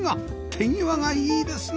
手際がいいですね！